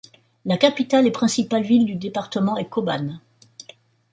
La capitale et principale ville du département est Cobán.